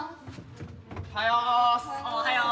おはよう。